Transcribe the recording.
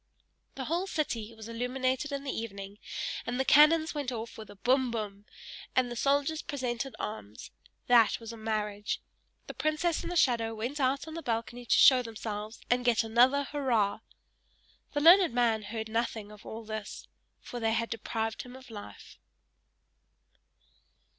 The whole city was illuminated in the evening, and the cannons went off with a bum! bum! and the soldiers presented arms. That was a marriage! The princess and the shadow went out on the balcony to show themselves, and get another hurrah! The learned man heard nothing of all this for they had deprived him of life.